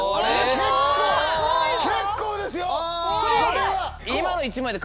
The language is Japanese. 結構ですよ！